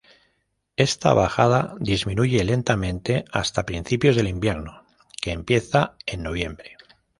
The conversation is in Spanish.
Esta bajada disminuye lentamente hasta principios del invierno, que empieza en noviembre.